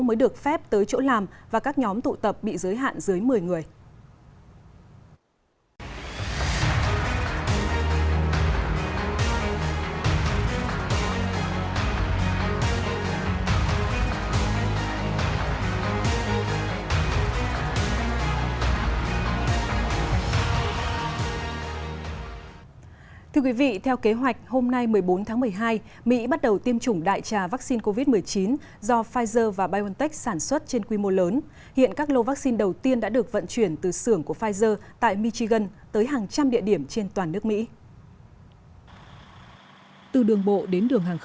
mới được phép tới chỗ làm và các nhóm tụ tập bị giới hạn dưới một mươi người